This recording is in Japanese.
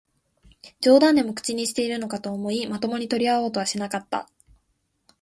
冗談でも口にしているのかと思い、まともに取り合おうとはしなかった